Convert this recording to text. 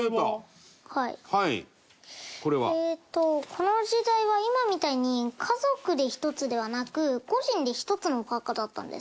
この時代は今みたいに家族で１つではなく個人で１つのお墓だったんです。